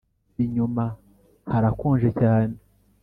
inyuma hrakonje cyane